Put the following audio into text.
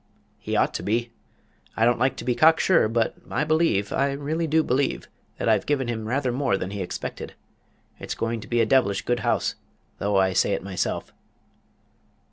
"He ought to be. I don't like to be cock sure, but I believe I really do believe that I've given him rather more than he expected. It's going to be a devilish good house, though I say it myself."